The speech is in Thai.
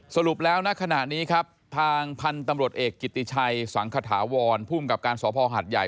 สรุปแล้วณขณะนี้ครับทางพันธุ์ตำรวจเอกกิติชัยสังขถาวรภูมิกับการสอบส่วนส่วนส่วนส่วนหาดใหญ่